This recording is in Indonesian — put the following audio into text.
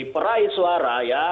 perai suara ya